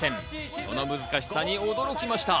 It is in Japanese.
その難しさに驚きました。